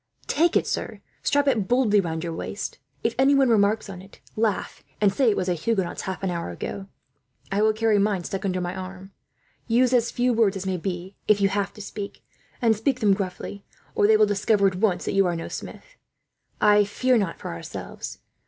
"Take it, sir. Strap it boldly round your waist. If anyone remarks on it, laugh, and say it was a Huguenot's half an hour ago. I will carry mine stuck under my arm. "Use as few words as may be, if you have to speak; and speak them gruffly, or they will discover at once that you are no smith. I fear not for ourselves.